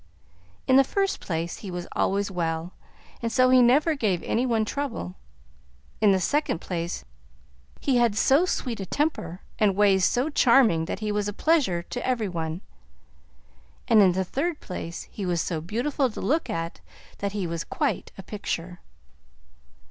In the first place, he was always well, and so he never gave any one trouble; in the second place, he had so sweet a temper and ways so charming that he was a pleasure to every one; and in the third place, he was so beautiful to look at that he was quite a picture.